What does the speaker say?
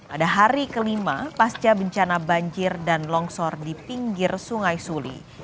ada hari kelima pasca bencana banjir dan longsor di pinggir sungai suli